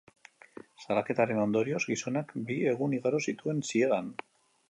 Salaketaren ondorioz, gizonak bi egun igaro zituen ziegan.